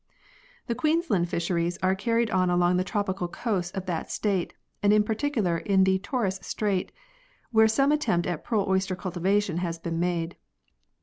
The Queensland fisheries are carried on along the tropical coasts of that state and in particular in the Torres Strait, where some attempts at pearl oyster cultivation have been made.